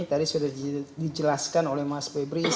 tadi sudah dijelaskan oleh mas pihak swasta dan asp